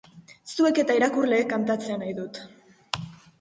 Zuek eta irakurleek kantatzea nahi dut.